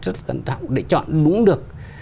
rất là cẩn thận để chọn đúng được